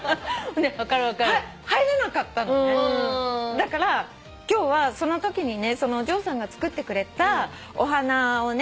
だから今日はそのときにねそのお嬢さんが作ってくれたお花をね